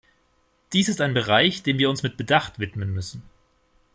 Dies ist ein Bereich, dem wir uns mit Bedacht widmen müssen.